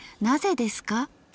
なぜですか』